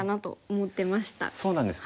そうなんです。